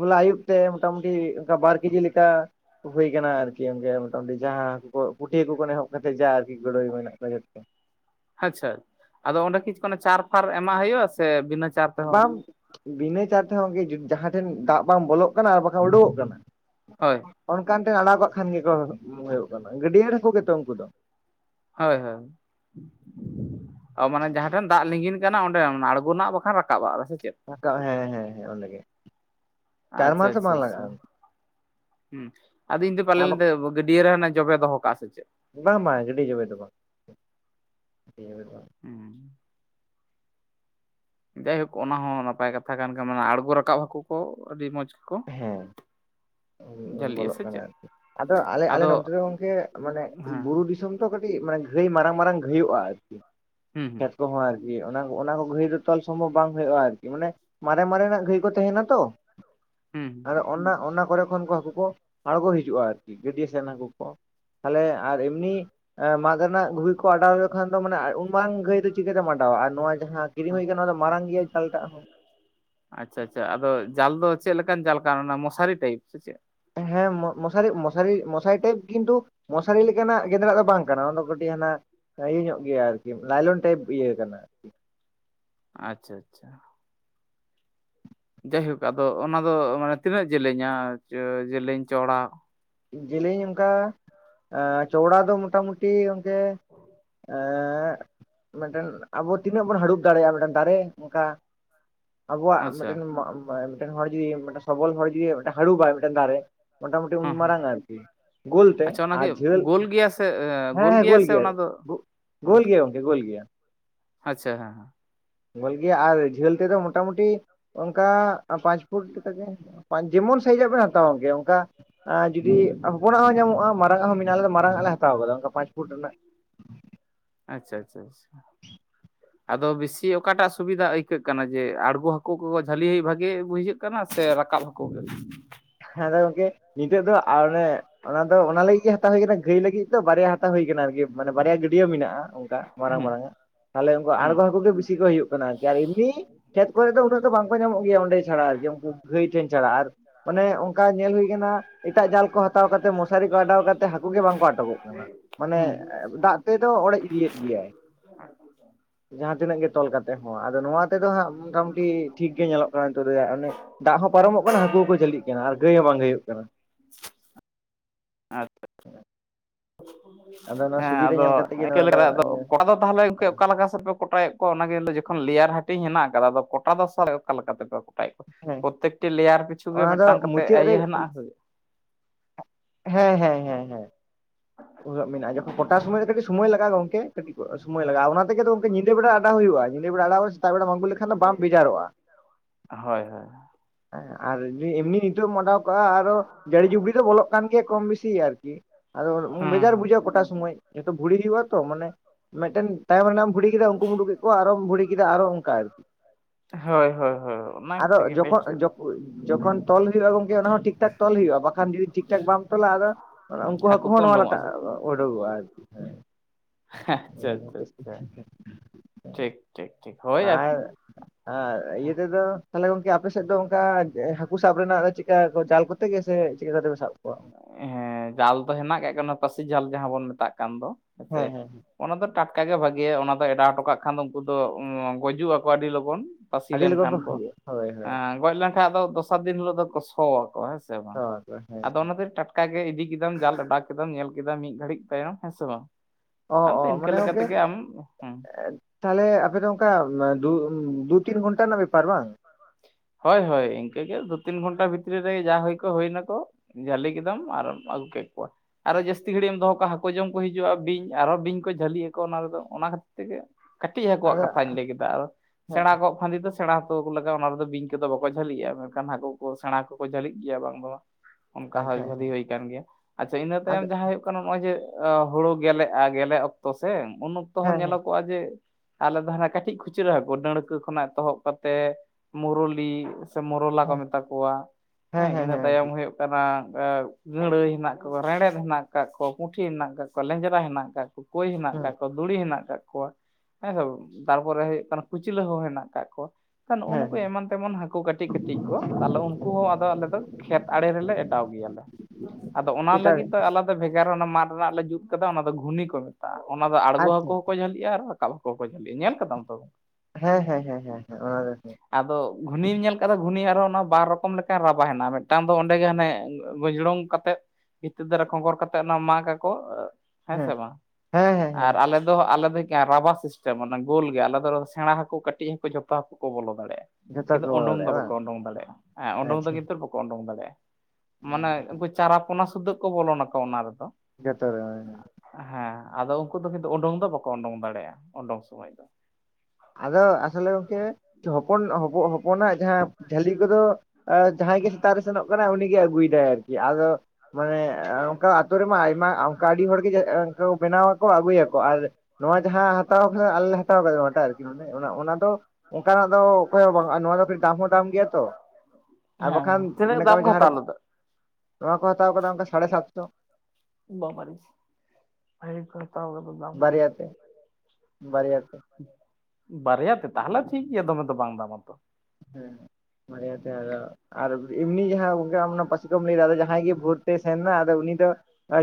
ᱦᱚᱞᱟ ᱟᱹᱭᱩᱵ ᱛᱮ ᱢᱳᱚᱴᱟᱢᱩᱴᱤ ᱚᱱᱠᱟ ᱵᱟᱨ ᱠᱮᱡᱤ ᱞᱮᱠᱟ ᱼᱼ ᱦᱩᱭ ᱠᱟᱱᱟ ᱟᱨᱠᱤ ᱚᱱᱠᱟ ᱢᱚᱴᱟᱢᱩᱴᱤ ᱡᱟᱦᱟᱸ ᱯᱩᱴᱷᱤ ᱦᱟᱠᱩ ᱠᱷᱚᱱ ᱮᱦᱚᱵ ᱠᱟᱛᱮᱫ ᱡᱟ ᱟᱨᱠᱤ ᱜᱟᱹᱲᱟᱹᱭ ᱢᱮᱱᱟᱜ ᱠᱚᱣᱟ ᱡᱷᱚᱛᱚ। ᱟᱪᱷᱟ ᱟᱫᱚ ᱚᱸᱰᱮ ᱠᱤ ᱠᱚᱱᱚ ᱪᱟᱨ ᱯᱷᱟᱨ ᱮᱢᱟᱜ ᱦᱩᱭᱩᱜᱼᱟ ᱥᱮ ᱵᱤᱱᱟᱹ ᱼᱼ ᱵᱟᱢ ᱵᱤᱱᱟᱹ ᱪᱟᱨ ᱛᱮᱦᱚᱸᱜᱮ ᱡᱟᱦᱟᱸ ᱴᱷᱮᱱ ᱫᱟᱜ ᱵᱟᱢ ᱵᱚᱞᱚᱜ ᱠᱟᱱᱟ ᱟᱨ ᱵᱟᱠᱷᱟᱱ ᱩᱰᱩᱠᱚᱜ ᱠᱟᱱᱟ᱾ ᱦᱳᱭ ᱚᱱᱠᱟᱱ ᱴᱷᱮᱱ ᱟᱲᱟᱜ ᱠᱟᱜ ᱠᱷᱟᱱ ᱜᱮᱠᱚ ᱦᱩᱭᱩᱜ ᱠᱟᱱᱟ ᱜᱟᱹᱰᱭᱟᱹ ᱨᱮ ᱦᱚᱸᱠᱚ ᱜᱮᱛᱚ ᱩᱱᱠᱩ ᱫᱚ ᱾ ᱦᱳᱭ ᱦᱳᱭ ᱚ ᱢᱟᱱᱮ ᱡᱟᱦᱟᱸᱴᱷᱮᱱ ᱫᱟᱜ ᱞᱤᱸᱜᱤᱱ ᱠᱟᱱᱟ ᱚᱸᱰᱮ ᱟᱬᱜᱚᱱᱟᱜ ᱵᱟᱠᱷᱟᱱᱟᱜ ᱨᱟᱠᱟᱵᱟᱜ ᱨᱮ ᱥᱮ ᱪᱮᱫ? ᱠᱟ <unintelligible> ᱦᱮᱸ ᱦᱮᱸ ᱦᱮᱸ ᱚᱸᱰᱮ ᱜᱮ। ᱟᱪᱷᱟ ᱪᱟᱨᱢᱟᱨ ᱫᱚ ᱟᱪᱷᱟ ᱵᱟᱝ ᱪᱷᱟ ᱞᱟᱜᱟᱜᱼᱟ ᱦᱩᱸ ᱟᱫᱚ ᱤᱧ ᱫᱚ ᱯᱟᱞᱮ ᱞᱟᱹᱭᱤᱫᱟᱹᱧ ᱜᱟᱹᱰᱭᱟᱹ ᱨᱮ ᱚᱱᱟ ᱡᱚᱵᱮ ᱫᱚᱦᱚ ᱼᱼ ᱠᱟ ᱥᱮ ᱪᱮᱫ? ᱵᱟᱝ ᱵᱟᱝ ᱜᱤᱰᱤ ᱡᱚᱵᱮ ᱫᱚ ᱵᱟᱝ। <inaudible> ᱦᱩᱸ <unintelligible> ᱡᱟᱭᱦᱳᱠ ᱚᱱᱟ ᱦᱚᱸ ᱱᱟᱯᱟᱭ ᱠᱟᱛᱷᱟ ᱠᱟᱱ ᱜᱮ ᱢᱟᱱᱮ ᱟᱬᱜᱚ ᱨᱟᱠᱟᱵ ᱦᱟᱹᱠᱩ ᱠᱚ ᱟᱹᱰᱤ ᱢᱚᱡᱽ, ᱦᱩᱸ ᱡᱷᱟᱹᱞᱤᱜᱼᱟ ᱵᱚᱞᱚᱜ ᱥᱮ ᱠᱟᱱᱟ ᱪᱮᱫ ᱟᱨᱠᱤ ᱟᱫᱚ ᱟᱞᱮ ᱟᱞᱮ ᱟᱫᱚ ᱱᱚᱱᱛᱮ ᱫᱚ ᱜᱚᱝᱠᱮ ᱢᱟᱱᱮ ᱦᱮᱸ ᱵᱩᱨᱩ ᱫᱤᱥᱚᱢ ᱼᱼ ᱡᱚᱛᱚ ᱠᱟᱹᱴᱤᱡ ᱢᱟᱱᱮ ᱜᱷᱟᱹᱭ ᱢᱟᱨᱟᱝ ᱢᱟᱨᱟᱝ ᱜᱷᱟᱹᱭᱚᱜᱼᱟ। ᱦᱩᱸ ᱦᱩᱸ ᱠᱷᱮᱛ ᱠᱚᱦᱚᱸ ᱟᱨᱠᱤ ᱚᱱᱟ ᱚᱱᱟ ᱠᱚ ᱜᱷᱟᱹᱭ ᱫᱚ ᱛᱚᱞ ᱥᱚᱢᱵᱷᱚᱵ ᱵᱟᱝ ᱦᱩᱭᱩᱜᱼᱟ ᱟᱨᱠᱤ ᱢᱟᱱᱮ ᱼᱼ ᱢᱟᱨᱮ ᱢᱟᱨᱮᱱᱟᱜ ᱜᱷᱟᱹᱭ ᱠᱚ ᱛᱟᱦᱮᱱᱟ ᱛᱚ। ᱦᱩᱸ ᱟᱨ ᱦᱩᱸ <inaudible> ᱚᱱᱟ ᱚᱱᱟ ᱠᱚᱨᱮ ᱠᱷᱚᱱ ᱦᱟᱹᱠᱩ ᱠᱚ ᱟᱬᱜᱚ ᱦᱤᱡᱩᱜᱼᱟ ᱟᱨᱠᱤ ᱜᱟᱹᱰᱭᱟᱹ ᱥᱮᱱ ᱦᱟᱹᱠᱩ ᱠᱚ। ᱛᱟᱦᱞᱮ ᱟᱨ ᱮᱢᱱᱤ, ᱢᱟᱫᱽ ᱨᱮᱱᱟᱜ ᱜᱷᱩᱭ ᱠᱚ ᱚᱰᱟᱣ ᱦᱩᱭᱩᱜ ᱠᱷᱟᱱ ᱫᱚ ᱢᱟᱱᱮ ᱩᱱᱢᱟᱱ ᱜᱷᱟᱹᱭ ᱫᱚ ᱪᱤᱠᱟᱹᱛᱮᱢ ᱚᱰᱟᱣᱟ ᱟᱨ ᱱᱚᱣᱟ ᱼᱼ ᱡᱟᱦᱟᱸ ᱠᱤᱨᱤᱧ ᱦᱩᱭ ᱟᱠᱟᱱᱟ ᱚᱱᱟ ᱫᱚ ᱢᱟᱨᱟᱝ ᱜᱮᱭᱟ ᱡᱟᱞᱴᱟᱜ ᱦᱚᱸ। ᱟᱪᱷᱟ ᱟᱪᱷᱟ ᱟᱫᱚ ᱡᱟᱞ ᱫᱚ ᱪᱮᱫ ᱞᱮᱠᱟᱱ ᱡᱟᱞ ᱠᱟᱱᱟ ᱚᱱᱟ ᱢᱚᱥᱟᱨᱤ ᱴᱟᱭᱤᱯ ᱥᱮ ᱪᱮᱫ ᱦᱮᱸ ᱢ ᱢᱚᱥᱟᱨᱤ ᱢᱚᱥᱟᱨᱤ ᱢᱚᱥᱟᱨᱤ ᱴᱟᱭᱯ ᱠᱤᱱᱛᱩ, ᱢᱚᱥᱟᱨᱤ ᱞᱮᱠᱟᱱᱟᱜ ᱜᱸᱮᱫᱟᱜ ᱫᱚ ᱵᱟᱝ ᱠᱟᱱᱟ ᱚᱱᱟ ᱫᱚ ᱠᱟᱹᱴᱤᱡ ᱦᱟᱱᱟ ᱼᱼ ᱤᱭᱟᱹ ᱧᱚᱜ ᱜᱮᱭᱟ ᱟᱨᱠᱤ ᱞᱟᱭᱞᱚᱱ ᱴᱟᱭᱤᱯ ᱤᱭᱟᱹ ᱠᱟᱱᱟ। ᱟᱪᱪᱷᱟ ᱟᱪᱪᱷᱟ ᱡᱟᱭᱦᱳᱠ ᱟᱫᱚ ᱚᱱᱟ ᱫᱚ ᱢᱟᱱᱮ ᱛᱤᱱᱟᱹᱜ ᱡᱮᱞᱮᱧᱟ ᱡᱮᱞᱮᱧ ᱪᱚᱣᱲᱟ। ᱡᱮᱞᱮᱧ ᱚᱱᱠᱟ ᱮᱸ ᱪᱚᱣᱲᱟ ᱫᱚ ᱢᱳᱚᱴᱟᱢᱩᱴᱤ ᱜᱚᱝᱠᱮ ᱼᱼ ᱮᱸᱻ ᱢᱤᱫᱴᱮᱱ ᱟᱵᱚ ᱛᱤᱱᱟᱹᱜ ᱵᱚᱱ ᱦᱟᱹᱲᱩᱵ ᱫᱟᱲᱮᱭᱟᱜᱼᱟ ᱢᱤᱫᱴᱮᱱ ᱫᱟᱨᱮ ᱚᱱᱠᱟ, ᱟᱵᱚᱣᱟᱜ ᱟᱪᱪᱷᱟ ᱢᱤᱫᱴᱮᱱ, <inaudible> ᱢᱤᱫᱴᱮᱱ ᱦᱚᱲ ᱡᱩᱫᱤ ᱢᱤᱫᱴᱮᱱ ᱥᱚᱵᱚᱞ ᱦᱚᱲ ᱡᱩᱫᱤ ᱢᱤᱫ ᱦᱟᱹᱲᱩᱵᱟᱭ ᱢᱤᱫᱴᱮᱱ ᱫᱟᱨᱮ ᱢᱚᱴᱟᱢᱩᱴᱤ ᱩᱱ ᱦᱮᱸ ᱦᱮᱸ ᱢᱟᱨᱟᱝ ᱼᱼ ᱜᱳᱞᱛᱮ ᱟᱪᱪᱷᱟ ᱟᱨ ᱚᱱᱟᱠᱤ ᱡᱷᱟᱹᱞ ᱜᱳᱞ ᱜᱮᱭᱟ ᱥᱮ ᱜᱳᱞ ᱜᱮᱭᱟ ᱥᱮ ᱚᱱᱟ ᱫᱚ᱾ <inaudible> ᱜᱚᱢᱠᱮ ᱜᱳᱞ ᱜᱮᱭᱟ। ᱟᱪᱷᱟ ᱦᱮᱸ ᱜᱳᱞ ᱜᱮᱭᱟ ᱟᱨ ᱡᱷᱟᱹᱞ ᱛᱮᱫᱚ ᱢᱚᱴᱟᱢᱩᱴᱤ ᱚᱱᱠᱟ ᱯᱟᱸᱪ ᱯᱷᱩᱴ ᱞᱮᱠᱟᱜᱮ। ᱡᱮᱢᱚᱱ ᱥᱟᱭᱤᱡᱟᱜ ᱵᱮᱱ ᱦᱟᱛᱟᱣᱟ ᱜᱚᱝᱠᱮ ᱚᱱᱠᱟ ᱼᱼ ᱟᱨ ᱡᱩᱫᱤ ᱦᱚᱯᱚᱱᱟᱜ ᱦᱚᱸ ᱧᱟᱢᱚᱜᱼᱟ ᱢᱟᱨᱟᱝ ᱟᱜ ᱦᱚᱸ ᱢᱮᱱᱟᱜ ᱟᱞᱮ ᱢᱟᱨᱟᱝ ᱟᱜ ᱞᱮ ᱦᱟᱛᱟᱣ ᱠᱟᱫᱟ ᱚᱱᱠᱟ ᱯᱟᱸᱪ ᱯᱷᱩᱴ ᱨᱮᱱᱟᱜ। ᱟᱪᱷᱟ ᱟᱪᱷᱟ ᱟᱪᱷᱟ ᱟᱫᱚ ᱵᱮᱥᱤ ᱚᱠᱟᱴᱟᱜ ᱥᱩᱵᱤᱫᱟ ᱟᱹᱭᱠᱟᱹᱜ ᱠᱟᱱᱟ ᱡᱮ ᱟᱬᱜᱚ ᱦᱟᱹᱠᱩ ᱠᱚ ᱡᱷᱟᱹᱞᱤ ᱵᱷᱟᱜᱤ ᱵᱩᱡᱷᱟᱹᱜ ᱠᱟᱱᱟ ᱠᱟᱱᱟ ᱥᱮ ᱨᱟᱠᱟᱵ ᱦᱟᱠᱩ ᱜᱮ ᱟᱫᱚ ᱜᱚᱢᱠᱮ ᱧᱤᱫᱟᱹ ᱫᱚ ᱟᱨ ᱚᱱᱮ ᱚᱱᱟ ᱫᱚ ᱚᱱᱟ ᱞᱟᱹᱜᱤᱫ ᱜᱮ ᱦᱟᱛᱟᱣ ᱦᱩᱭ ᱟᱠᱟᱱᱟ ᱜᱷᱟᱹᱭ ᱞᱟᱹᱜᱤᱫ ᱫᱚ ᱵᱟᱨᱭᱟ ᱦᱟᱛᱟᱣ ᱦᱩᱭ ᱠᱟᱱᱟ ᱟᱨᱠᱤ ᱢᱟᱱᱮ ᱵᱟᱨᱭᱟ ᱜᱟᱹᱰᱭᱟᱹ ᱢᱮᱱᱟᱜᱼᱟ ᱚᱱᱠᱟ ᱢᱟᱨᱟᱝ ᱦᱩᱸ ᱢᱟᱨᱟᱝ ᱛᱟᱦᱚᱞᱮ ᱩᱱᱠᱩ ᱦᱩᱸ ᱟᱬᱜᱚ ᱦᱟᱠᱩᱜᱮ ᱵᱤᱥᱤ ᱠᱚ ᱦᱩᱭᱩᱜ ᱠᱟᱱᱟ ᱟᱨᱠᱤ ᱟᱨ ᱮᱢᱱᱤ ᱠᱷᱮᱛ ᱠᱚᱨᱮ ᱫᱚ ᱩᱱᱟᱹᱜ ᱫᱚ ᱵᱟᱝᱠᱚ ᱧᱟᱢᱚᱜ ᱜᱮᱭᱟ ᱚᱸᱰᱮ ᱪᱷᱟᱲᱟ ᱟᱨᱠᱤ ᱩᱱ ᱜᱟᱹᱭ ᱴᱷᱮᱱ ᱪᱷᱟᱲᱟᱜ ᱟᱨ ᱢᱟᱱᱮ ᱚᱝᱠᱟ ᱧᱮᱞ ᱦᱩᱭ ᱟᱠᱟᱱᱟ ᱮᱴᱟᱜ ᱡᱟᱞ ᱠᱚ ᱦᱟᱛᱟᱣ ᱠᱟᱛᱮ ᱢᱚᱥᱟᱨᱤ ᱠᱚ ᱚᱰᱟᱣ ᱠᱟᱛᱮ ᱦᱟᱹᱠᱩ ᱜᱮ ᱵᱟᱝᱠᱚ ᱟᱴᱚᱠᱚᱜ ᱠᱟᱱᱟ ᱢᱟᱱᱮ ᱦᱩᱸ ᱫᱟᱜ ᱛᱮᱫᱚ ᱚᱲᱮᱡ ᱤᱫᱤᱭᱮᱫ ᱜᱮᱭᱟᱭ ᱡᱟᱦᱟᱸ ᱛᱤᱱᱟᱹᱜ ᱜᱮ ᱛᱚᱞ ᱠᱟᱛᱮ ᱦᱚᱸ ᱟᱫᱚ ᱱᱚᱣᱟ ᱛᱮᱫᱚ ᱦᱟᱸᱜ ᱢᱚᱴᱟᱢᱩᱴᱤ ᱴᱷᱤᱠ ᱜᱮ ᱧᱮᱞᱚᱜ ᱠᱟᱱᱟ ᱨᱮᱭᱟᱜ ᱚᱱᱮ ᱫᱟᱜ ᱦᱚᱸ ᱯᱟᱨᱚᱢᱚᱜ ᱠᱟᱱᱟ ᱦᱟᱹᱠᱩ ᱦᱚᱸᱠᱚ ᱡᱷᱟ. ᱞᱤᱜ ᱠᱟᱱᱟ ᱟᱨ ᱜᱷᱟᱹᱭ ᱦᱚᱸ ᱵᱟᱝ ᱜᱷᱟᱹᱭ ᱦᱩᱭᱩᱜ ᱠᱟᱱᱟ <unintelligible> ᱟᱫᱚ ᱚᱱᱟ ᱦᱮᱸ ᱥᱩᱵᱤᱫᱷᱟ ᱟᱫᱚ ᱧᱮᱞ ᱠᱟᱛᱮ ᱜᱮ ᱤᱱᱠᱟᱹ ᱱᱚᱣᱟ ᱫᱚ ᱞᱮᱠᱟᱫᱚ ᱟᱫᱚ ᱠᱚᱴᱟ ᱫᱚ ᱛᱟᱦᱚᱞᱮᱠ ᱚᱠᱟᱞᱮᱠᱟ ᱥᱮᱫ ᱯᱮ ᱠᱚᱴᱟᱭᱮᱫ ᱚᱱᱟᱜᱮ ᱡᱚᱠᱷᱚᱱ ᱞᱮᱭᱟᱨ ᱦᱟᱹᱴᱤᱧ ᱦᱮᱱᱟᱜ ᱟᱠᱟᱫᱟ ᱟᱫᱚ ᱠᱚᱴᱟ ᱫᱚ ᱥᱟᱞ ᱚᱠᱟ ᱞᱮᱠᱟᱛᱮ ᱯᱮ ᱟᱹᱜᱩ ᱠᱚᱣᱟ ᱠᱚᱴᱟᱭᱮᱜ ᱠᱚ ᱦᱮᱸ ᱯᱨᱚᱛᱛᱮᱠᱴᱤ ᱞᱮᱭᱟᱨ ᱯᱤᱪᱷᱩ ᱜᱮ ᱚᱱᱟ ᱫᱚ ᱢᱤᱫᱴᱟᱝ ᱠᱟᱛᱮᱫ ᱢᱩᱪᱟᱹᱫ ᱨᱮ ᱤᱭᱟᱹ ᱦᱮᱱᱟᱜᱼᱟᱥᱮ ᱦᱮᱸ ᱦᱮᱸ ᱦᱮᱸ ᱦᱮᱸ ᱩᱱᱟᱹ ᱢᱮᱱᱟᱜᱼᱟ ᱡᱚᱠᱷᱚᱱ ᱠᱚᱴᱟ ᱥᱚᱢᱳᱭ ᱨᱮ ᱠᱟᱹᱴᱤᱡ ᱥᱚᱢᱳᱭ ᱞᱟᱜᱟᱜᱼᱟ ᱜᱚᱝᱠᱮ ᱠᱟᱴᱤᱡ ᱫᱚ ᱥᱳᱢᱳᱭ ᱞᱟᱜᱟᱜᱼᱟ ᱚᱱᱟᱛᱮᱜᱮ ᱛᱚ ᱧᱤᱫᱟᱹ ᱵᱮᱲᱟ ᱚᱰᱟᱣ ᱦᱩᱭᱩᱜᱼᱟ ᱧᱤᱫᱟᱹ ᱵᱮᱲᱟ ᱟᱰᱰᱟ ᱥᱮᱛᱟᱜ ᱵᱮᱲᱟᱢ ᱟᱹᱜᱩ ᱞᱮᱠᱷᱟᱱ ᱫᱚ ᱵᱟᱢ ᱵᱮᱡᱟᱨᱚᱜᱼᱟ ᱦᱳᱭ ᱦᱳᱭ ᱦᱮᱸ ᱟᱨ ᱮᱢᱱᱤ ᱱᱤᱛᱳᱜ ᱮᱢ ᱢᱟᱰᱟᱣ ᱠᱟᱜᱼᱟ ᱟᱫᱚ ᱡᱟᱲᱤ ᱡᱩᱜᱲᱤ ᱫᱚ ᱵᱚᱞᱚᱜ ᱠᱟᱱ ᱜᱮ ᱠᱚᱢ ᱵᱮᱥᱤ ᱟᱨᱠᱤ ᱟᱫᱚ ᱦᱩᱸ ᱵᱮᱡᱟᱨ ᱦᱩᱸ ᱵᱩᱡᱷᱟᱹᱜᱼᱟ ᱠᱚᱴᱟ ᱥᱚᱢᱚᱭ ᱡᱚᱛᱚ ᱵᱷᱩᱲᱤ ᱦᱩᱭᱩᱜᱼᱟ ᱛᱚ ᱢᱟᱱᱮ ᱢᱤᱫᱴᱮᱱ ᱛᱟᱭᱚᱢ ᱨᱮᱱᱟᱜ ᱵᱷᱩᱲᱤ ᱠᱮᱫᱟ ᱩᱱᱠᱩ ᱩᱰᱩ ᱠᱮᱫ ᱠᱚ ᱟᱨᱦᱚᱢ ᱵᱷᱩᱲᱤ ᱠᱮᱫᱟ ᱟᱨᱚ ᱚᱱᱠᱟ ᱟᱨᱠᱤ ᱦᱳᱭ ᱦᱳᱭ ᱦᱳᱭ ᱚᱱᱟ ᱟᱫᱚ ᱠᱟᱛᱷᱟ ᱜᱮ ᱦᱩᱭ ᱡᱚᱠᱷᱚᱱ ᱦᱚᱪᱚᱜ ᱡᱚᱠᱷᱚᱱ ᱛᱚᱞ ᱦᱩᱭᱩᱜᱼᱟ ᱜᱚᱝᱠᱮ ᱚᱱᱟ ᱦᱚᱸ ᱴᱷᱤᱠ ᱴᱷᱟᱠ ᱛᱚᱞ ᱦᱩᱭᱩᱜᱼᱟ ᱵᱟᱠᱷᱟᱱ ᱡᱩᱫᱤ ᱴᱷᱤᱠ ᱴᱷᱟᱠ ᱵᱟᱢ ᱛᱚᱞᱟ ᱟᱫᱚ ᱚᱱᱟ ᱩᱝᱠᱩ ᱦᱟᱹᱠᱩ ᱠᱚ ᱦᱚᱸ ᱱᱚᱣᱟ ᱩᱰᱩᱝᱚᱜᱼᱟ ᱞᱟᱴᱟᱜ ᱥᱮ ᱩᱰᱩᱠᱚᱜᱼᱟ ᱟᱨᱠᱤ ᱦᱮᱸ <inaudible> ᱟᱪᱪᱷᱟ ᱟᱪᱪᱷᱟ ᱟᱪᱪᱷᱟ ᱴᱷᱤᱠ ᱴᱷᱤᱠ ᱴᱷᱤᱠ ᱦᱳᱭ ᱟᱨᱠᱤ ᱟᱨ ᱟᱨ ᱤᱭᱟᱹ ᱛᱮᱫᱚ ᱛᱟᱦᱚᱞᱮ ᱜᱚᱝᱠᱮ ᱟᱯᱮ ᱥᱮᱫ ᱫᱚ ᱚᱱᱠᱟ ᱦᱟᱹᱠᱩ ᱥᱟᱵ ᱨᱮᱱᱟᱜ ᱫᱚ ᱪᱮᱫᱠᱟ ᱠᱚ ᱡᱟᱞ ᱠᱚ ᱚᱱᱛᱮ ᱜᱮ ᱥᱮ ᱪᱮᱫ ᱞᱮᱠᱟ ᱠᱟᱛᱮᱫ ᱵᱮᱱ ᱦᱮᱸ ᱡᱟᱞ ᱫᱚ ᱦᱮᱱᱟᱜ ᱠᱟᱜ ᱜᱮ ᱚᱱᱟ ᱯᱟᱹᱥᱤ ᱡᱟᱞ ᱡᱟᱦᱟᱸ ᱵᱚᱱ ᱢᱮᱛᱟᱜ ᱠᱟᱱ ᱫᱚ ᱦᱮᱸᱥᱮ ᱦᱮᱸ ᱦᱮᱸ ᱚᱱᱟ ᱫᱚ ᱴᱟᱴᱠᱟᱜᱮ ᱵᱷᱟᱜᱤᱭᱟ ᱚᱱᱟ ᱫᱚ ᱮᱰᱟᱣ ᱦᱚᱴᱚ ᱠᱟᱜ ᱠᱷᱟᱱ ᱫᱚ ᱩᱱᱠᱩ ᱫᱚ ᱜᱩᱡᱩᱜ ᱟᱠᱚ ᱟᱹᱰᱤ ᱞᱚᱜᱚᱱ ᱯᱟᱹᱥᱤ ᱟᱹᱰᱤ ᱞᱚᱜᱚᱱ ᱞᱮᱱᱠᱷᱟᱱ ᱠᱚ ᱦᱩᱭᱩᱜ ᱦᱳᱭ ᱮ ᱦᱳᱭ ᱜᱚᱡ ᱞᱮᱱᱠᱷᱟᱱ ᱫᱚᱥᱟᱨ ᱫᱤᱱ ᱦᱤᱞᱳ ᱫᱚ ᱥᱚ ᱟᱠᱚ ᱦᱮᱸ ᱥᱮ ᱵᱟᱝ ᱦᱳᱭ ᱦᱮᱸ ᱟᱫᱚ ᱚᱱᱟᱛᱮ ᱴᱟᱴᱠᱟ ᱜᱮ ᱤᱫᱤ ᱠᱮᱫᱟᱢ ᱡᱟᱞ ᱚᱰᱟᱣ ᱠᱮᱫᱟᱢ ᱧᱮᱞ ᱠᱮᱫᱟᱢ ᱢᱤᱫ ᱜᱷᱟᱹᱲᱤᱡ ᱛᱟᱭᱚᱢ ᱦᱮᱸ ᱥᱮ ᱵᱟᱝ ᱚ ᱟᱫᱚ ᱚ ᱤᱱᱠᱟᱹ ᱞᱮᱠᱟ ᱛᱮᱜᱮ ᱟᱢ ᱦᱩᱸ ᱛᱟᱦᱞᱮ ᱟᱯᱮ ᱫᱚ ᱚᱱᱠᱟ ᱫᱩ ᱫᱩ ᱛᱤᱱ ᱜᱷᱚᱱᱴᱟ ᱨᱮᱱᱟᱜ ᱵᱮᱯᱟᱨ ᱵᱟᱝ ᱦᱳᱭ ᱦᱳᱭ ᱤᱱᱠᱟᱹ ᱜᱮ ᱫᱩ ᱛᱤᱱ ᱜᱷᱚᱱᱴᱟ ᱵᱷᱤᱛᱨᱤ ᱨᱮ ᱡᱟ ᱦᱳᱭᱠᱚ ᱦᱳᱭᱱᱟᱠᱚ ᱡᱷᱟᱹᱞᱤ ᱠᱮᱫᱟᱢ ᱟᱨᱮᱢ ᱟᱹᱜᱩ ᱠᱮᱫ ᱠᱚᱣᱟ ᱟᱨᱚ ᱡᱟᱹᱥᱛᱤ ᱜᱷᱟᱹᱲᱤᱡ ᱮᱢ ᱫᱚᱦᱚ ᱠᱚᱣᱟ ᱦᱟᱹᱠᱩ ᱡᱚᱢ ᱠᱚ ᱦᱤᱡᱩᱜᱼᱟ ᱵᱤᱧ ᱟᱨᱦᱚᱸ ᱵᱤᱧ ᱠᱚ ᱡᱷᱟᱹᱞᱤᱜ ᱟᱠᱚ ᱚᱱᱟ ᱨᱮᱫᱚ ᱚᱱᱟ ᱠᱷᱟᱹᱛᱤᱨ ᱛᱮᱜᱮ ᱠᱟᱹᱴᱤᱡ ᱦᱟᱠᱩᱣᱟᱜ ᱟᱫᱚ ᱠᱟᱛᱷᱟᱧ ᱞᱟᱹᱭ ᱠᱮᱫᱟ ᱟᱨ ᱦᱮᱸ ᱥᱮᱬᱟ ᱦᱟᱠᱩᱣᱟᱜ ᱯᱷᱟᱸᱫᱤᱛᱮ ᱥᱮᱬᱟ ᱦᱟᱠᱩ ᱠᱚ ᱞᱟᱜᱟᱼᱟ ᱚᱱᱟ ᱨᱮᱫᱚ ᱵᱤᱧ ᱩᱱᱟᱹᱠᱩ ᱫᱚ ᱵᱟᱠᱚ ᱡᱷᱟᱹᱞᱤᱜᱼᱟ ᱢᱮᱱᱠᱷᱟᱱ ᱦᱟᱹᱠᱩ ᱠᱚ ᱥᱮᱬᱟ ᱠᱚᱠᱚ ᱡᱷᱟᱹᱞᱤᱜ ᱜᱮᱭᱟ ᱵᱟᱝ ᱚᱱᱠᱟ ᱦᱚ ᱟᱪᱪᱷᱟ ᱟᱪᱪᱷᱟ ᱡᱷᱟᱹᱞᱤ ᱦᱩᱭ ᱠᱟᱱ ᱜᱮᱭᱟ ᱟᱪᱪᱷᱟ ᱟᱫᱚ ᱤᱱᱟᱹᱛᱟᱭᱚᱢ ᱡᱟᱦᱟᱭ᱾ ᱱᱚᱜᱼᱚᱭ ᱡᱮ ᱦᱩᱲᱩ ᱜᱮᱞᱮᱜᱼᱟ ᱜᱮᱞᱮ ᱚᱠᱛᱚ ᱥᱮ ᱩᱱ ᱚᱠᱛᱚ ᱦᱚᱸ ᱦᱮᱸ ᱦᱮᱸ ᱧᱮᱞᱚᱜᱚᱜᱼᱟ ᱡᱮ, ᱟᱞᱮ ᱫᱚ ᱦᱟᱱᱮ ᱠᱟᱹᱴᱤᱡ ᱠᱷᱩᱪᱨᱟᱹ ᱦᱟᱹᱠᱩ ᱰᱟᱹᱲᱠᱟᱹ ᱠᱷᱚᱱᱟᱜ ᱮᱛᱦᱚᱵ ᱠᱟᱛᱮᱫ ᱢᱩᱨᱩᱞᱤ ᱥᱮ ᱢᱚᱨᱚᱞᱟ ᱠᱚ ᱢᱮᱛᱟ ᱠᱚᱣᱟ ᱦᱮᱸ ᱤᱱᱟᱹ ᱛᱟᱭᱚᱢ ᱦᱩᱭᱩᱜ ᱠᱟᱱᱟ ᱮᱸᱜ ᱜᱟᱹᱲᱟᱹᱭ ᱦᱮᱱᱟᱜ ᱠᱚᱣᱟ ᱨᱮᱲᱮᱫ ᱦᱮᱱᱟᱜ ᱠᱟᱫ ᱠᱚᱣᱟ ᱯᱩᱴᱷᱤ ᱦᱮᱱᱟᱜ ᱠᱟᱫ ᱠᱚᱣᱟ ᱞᱮᱸᱡᱨᱟ ᱦᱮᱱᱟᱜ ᱠᱟᱫ ᱠᱚ ᱠᱳᱭ ᱦᱮᱱᱟᱜ ᱦᱮᱸ ᱠᱟᱜ ᱠᱚᱣᱟ ᱫᱩᱬᱤ ᱦᱮᱱᱟᱜ ᱠᱟᱜ ᱠᱚᱣᱟ ᱦᱮᱸ ᱥᱮ ᱛᱟᱨᱯᱚᱨᱮ ᱦᱩᱭᱩᱜ ᱠᱟᱱᱟ ᱠᱩᱪᱞᱟᱹ ᱦᱚᱸ ᱦᱮᱱᱟᱜ ᱠᱟᱜ ᱠᱚᱣᱟ ᱛᱟᱦᱟᱱ ᱱᱩᱜ-ᱩ ᱦᱮᱸ ᱱᱩᱠᱩ ᱦᱮᱸ ᱮᱢᱟᱱ ᱡᱮᱢᱚᱱ ᱦᱟᱹᱠᱩ ᱠᱟᱹᱴᱤᱡ ᱠᱟᱹᱴᱤᱡ ᱠᱚ ᱛᱟᱦᱞᱮ ᱩᱱᱠᱩ ᱦᱚᱸ ᱟᱫᱚ ᱟᱞᱮ ᱫᱚ ᱠᱷᱮᱛ ᱟᱲᱮ ᱨᱮᱞᱮ ᱚᱰᱟᱣ ᱜᱮᱭᱟᱞᱮ ᱟᱫᱚ ᱚᱱᱟ ᱮᱴᱟᱜ ᱞᱟᱹᱜᱤᱫ ᱫᱚ ᱛᱟᱞᱟᱛᱮ ᱵᱷᱮᱜᱟᱨ ᱚᱱᱟ ᱢᱟᱫ ᱨᱮᱱᱟᱜ ᱞᱮ ᱡᱩᱛ ᱟᱠᱟᱫᱟ ᱚᱱᱟ ᱫᱚ ᱜᱷᱩᱱᱤ ᱠᱚ ᱢᱮᱛᱟᱜᱼᱟ ᱚᱱᱟ ᱫᱚ ᱟᱬᱜᱚ ᱦᱟᱹᱠᱩ ᱟᱪᱪᱷᱟ ᱦᱚᱸᱠᱚ ᱡᱷᱟᱹᱞᱤᱜᱼᱟ ᱮᱭᱟ ᱟᱨ ᱨᱟᱠᱟᱵ ᱦᱟᱠᱳ ᱦᱚᱸᱠᱚ ᱡᱷᱟ. ᱞᱤᱜᱼᱟ ᱧᱮᱞ ᱠᱟᱫᱟᱢ ᱛᱚ ᱦᱮᱸ ᱦᱮᱸ ᱦᱮᱸ ᱦᱮᱸ ᱦᱮᱸ ᱚᱱᱟ ᱜᱮᱛᱚ ᱟᱫᱚ ᱜᱷᱩᱱᱤᱢ ᱧᱮᱞ ᱟᱠᱟᱫᱟ ᱜᱷᱩᱱᱤ ᱟᱨᱦᱚᱸ ᱚᱱᱟ ᱵᱟᱨ ᱨᱚᱠᱚᱢ ᱞᱮᱠᱟ ᱨᱟᱵᱟ ᱢᱮᱱᱟᱜᱼᱟ ᱢᱤᱫᱴᱟᱝ ᱫᱚ ᱚᱸᱰᱮ ᱜᱮ ᱦᱟᱱᱮ ᱜᱚᱡᱽᱲᱚᱝ ᱠᱟᱛᱮᱜ ᱵᱷᱤᱛᱟᱹ ᱫᱟᱨᱮ ᱠᱚᱸᱜᱚᱨ ᱠᱟᱛᱮ ᱚᱱᱟ ᱢᱟᱜᱽ ᱟᱠ ᱦᱮᱸ ᱥᱮ ᱵᱟᱝ ᱦᱮᱸ ᱦᱮᱸ ᱦᱮᱸ ᱟᱨ ᱟᱞᱮ ᱫᱚ ᱟᱞᱮ ᱫᱚ ᱨᱟᱵᱟᱨ ᱥᱤᱥᱴᱮᱢ ᱚᱱᱟ ᱜᱳᱞ ᱜᱮ ᱟᱞᱮ ᱫᱚ ᱥᱮᱬᱟ ᱦᱟᱹᱠᱩ ᱠᱟᱹᱴᱤᱡ ᱦᱟᱹᱠᱩ ᱡᱷᱚᱛᱚ ᱦᱟᱹᱠᱩ ᱠᱚ ᱵᱚᱞᱚ ᱫᱟᱲᱮᱭᱟᱜᱼᱟ ᱾ ᱡᱚᱛᱚ ᱠᱤᱱᱛᱩ ᱠᱚ ᱳᱰᱩᱝ ᱫᱚ ᱵᱟᱲᱟᱭᱟ ᱵᱟᱠᱚ ᱵᱟᱝ ᱳᱰᱳᱝ ᱫᱟᱲᱮᱭᱟᱜᱼᱟ ᱦᱮᱸ ᱩᱰᱳᱝ ᱫᱚ ᱟᱪᱪᱷᱟ ᱠᱤᱱᱛᱩ ᱵᱟᱠᱚ ᱩᱰᱳᱝ ᱫᱟᱲᱮᱭᱟᱜᱼᱟ ᱢᱟᱱᱮ ᱩᱱᱠᱩ ᱪᱟᱨᱟᱯᱚᱱᱟ ᱥᱩᱫᱟᱹᱜ ᱠᱚ ᱵᱚᱞᱚᱱᱟ ᱚᱱᱟ ᱨᱮᱫᱚ ᱾ ᱴᱤᱠ ᱜᱤᱭᱟ ᱛᱚᱵᱮ ᱦᱭ ᱦᱭ ᱾ ᱦᱮᱸ ᱟᱫᱚ ᱩᱱᱠᱩ ᱫᱚ ᱠᱤᱱᱛᱩ ᱩᱰᱩᱝ ᱫᱚ ᱵᱟᱠᱚ ᱩᱰᱩᱝ ᱫᱟᱲᱮᱭᱟᱜᱼᱟ ᱩᱰᱩᱝ ᱥᱚᱢᱚᱭ ᱫᱚ᱾ ᱟᱫᱚ ᱟᱥᱚᱞᱮ ᱜᱚᱝᱠᱮ ᱦᱚᱯᱚᱱ ᱦᱚᱯᱚᱱᱟᱜ ᱡᱟᱦᱟᱸ ᱡᱷᱟᱹᱞᱤ ᱠᱚᱫᱚ? ᱡᱟᱦᱟᱸᱭ ᱜᱮ ᱥᱮᱛᱟᱜ ᱨᱮ ᱥᱮᱱᱚᱜ ᱠᱟᱱᱟᱭ ᱩᱱᱤᱜᱮ ᱟᱹᱜᱩᱭᱫᱟᱭ ᱟᱨᱠᱤ ᱟᱫᱚ ᱢᱟᱱᱮ ᱚᱱᱠᱟ ᱟᱹᱛᱳ ᱨᱮᱢᱟ ᱟᱭᱢᱟ ᱚᱱᱠᱟ ᱟᱹᱰᱤ ᱦᱚᱲᱜᱮ ᱵᱮᱱᱟᱣ ᱟᱠᱚ ᱟᱹᱜᱩᱭᱟᱠᱚ ᱟᱨ ᱱᱚᱣᱟ ᱡᱟᱦᱟᱸ ᱦᱟᱛᱟᱣ ᱠᱟᱱᱟ ᱟᱞᱮ ᱞᱮ ᱦᱟᱛᱟᱣ <unintelligible> ᱚᱱᱟ ᱫᱚ ᱚᱱᱠᱟᱱᱟᱜ ᱫᱚ ᱚᱠᱚᱭᱦᱚᱸ ᱵᱟᱝ ᱟᱨ ᱱᱚᱣᱟ ᱫᱚ ᱫᱟᱢ ᱦᱚᱸ ᱫᱟᱢ ᱜᱮᱭᱟ ᱛᱚ ᱾ ᱟᱨ ᱦᱮᱸ ᱵᱟᱠᱷᱟᱱ ᱢᱚᱱᱮ ᱛᱤᱱᱟᱹᱜ ᱠᱟᱜ ᱫᱟᱢ ᱢᱮ ᱠᱚ ᱡᱟᱦᱟᱸᱨᱮ ᱦᱟᱛᱟᱣ ᱞᱮᱫᱟ ᱱᱚᱣᱟ ᱠᱚ ᱦᱟᱛᱟᱣ ᱠᱟᱫᱟ ᱚᱱᱠᱟ ᱥᱟᱲᱮ ᱥᱟᱛᱥᱚ ᱾ ᱜᱚ ᱯᱟᱹᱨᱤᱥ ᱵᱷᱮᱨᱤ ᱜᱩᱰ ᱾ <unintelligible> ᱵᱟᱨᱭᱟ ᱛᱮ <inaudible> ᱵᱟᱨᱭᱟ ᱛᱮ᱾ ᱵᱟᱨᱭᱟ <unintelligible> ᱛᱟᱦᱚᱞᱮ ᱴᱷᱤᱠ ᱜᱮᱭᱟ ᱫᱚᱢᱮ ᱫᱚ ᱵᱟᱝ ᱫᱟᱢᱟᱛᱚ ᱾ ᱦᱮᱸ <unintelligible> ᱟᱨ ᱮᱢᱱᱤ ᱡᱟᱦᱟᱸ ᱜᱚᱢᱠᱮ ᱟᱢ ᱚᱱᱟ ᱯᱟᱥᱤ ᱠᱚᱢ ᱞᱟᱹᱭᱫᱟ ᱟᱫᱚ ᱡᱟᱦᱟᱸᱭ ᱜᱮ ᱵᱷᱳᱨ ᱛᱮᱭ ᱥᱮᱱ ᱮᱱᱟ ᱟᱫᱚ ᱩᱱᱤ ᱫᱚ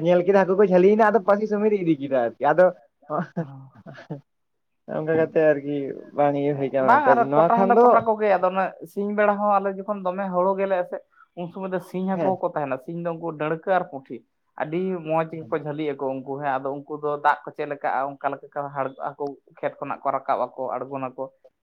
ᱧᱮᱞ ᱠᱮᱫᱟ ᱦᱟᱹᱠᱩ ᱠᱚ ᱡᱷᱟᱞᱤ ᱮᱱᱟ ᱟᱫᱚ ᱾ ᱯᱟᱥᱤ ᱥᱚᱢᱮᱛᱮ ᱤᱫᱤ ᱠᱮᱫᱟ ᱟᱫᱚ ᱦᱮᱸ <inaudible> ᱚᱱᱠᱟ ᱠᱟᱛᱮ ᱟᱨᱠᱤ ᱵᱟᱝ ᱤᱭᱟᱹᱦᱩᱭ ᱠᱟᱱᱟ ᱵᱟᱝ ᱟᱨ <unintelligible> ᱱᱚᱣᱟ ᱠᱚᱴᱟ ᱠᱷᱟᱱ ᱦᱚᱸᱞᱮ ᱫᱚ ᱠᱚᱴᱟ ᱟᱫᱚ ᱚᱱᱮ ᱥᱤᱧ ᱵᱮᱲᱟ ᱦᱚᱸ ᱟᱫᱚ ᱡᱚᱠᱷᱚᱱ ᱫᱚᱢᱮ ᱦᱳᱲᱳ ᱜᱮᱞᱮᱜᱼᱟ ᱥᱮ ᱩᱱ ᱥᱩᱚᱢᱚᱭ ᱫᱚ ᱥᱤᱧ ᱦᱟᱹᱠᱳ ᱦᱮᱸ ᱦᱚᱸᱠᱚ ᱛᱟᱦᱮᱸᱱᱟ ᱥᱮ ᱾ ᱤᱧ ᱫᱚ ᱩᱱᱠᱩ ᱰᱟᱹᱲᱠᱟᱹ ᱟᱨ ᱯᱩᱸᱴᱷᱤ ᱟᱹᱰᱤ ᱢᱚᱸᱡᱽ ᱜᱮᱠᱚ ᱡᱷᱟᱹᱞᱤᱜ ᱟᱠᱚ ᱩᱱᱠᱩ ᱦᱮᱸ ᱟᱫᱚ ᱾ ᱩᱱᱠᱩ ᱫᱚ ᱫᱟᱜ ᱠᱚ ᱪᱮᱫ ᱞᱮᱠᱟᱼᱟ ᱚᱱᱠᱟ ᱞᱮᱠᱟ ᱦᱟᱨᱠᱟᱜ-ᱟ ᱠᱩ ᱠᱷᱮᱛ ᱠᱷᱚᱱᱟᱜ ᱠᱚ ᱨᱟᱠᱟᱵ ᱟᱠᱚ ᱟᱬᱜᱚ ᱱᱟᱠᱚ᱾